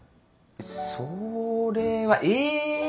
それはえ！